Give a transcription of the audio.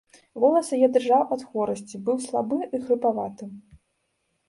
Голас яе дрыжаў ад хворасці, быў слабы і хрыпаваты.